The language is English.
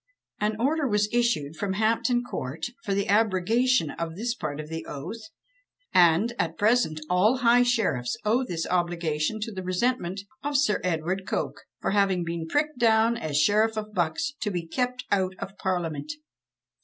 An order was issued from Hampton Court, for the abrogation of this part of the oath; and at present all high sheriffs owe this obligation to the resentment of Sir Edward Coke, for having been pricked down as Sheriff of Bucks, to be kept out of parliament!